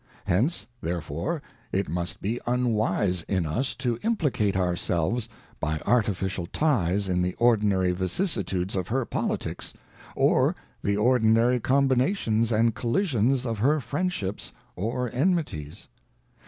ŌĆö Hence therefore it must be unwise in us to impli cate ourselves, by artificial ties in the ordi nary vicissitudes of her politics, or the ordinary combinations and collisions of her friendships, or enmities.